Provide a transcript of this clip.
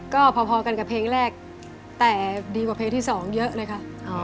ก็พอกันกับเพลงแรกแต่ดีกว่าเพลงที่๒เยอะเลยค่ะ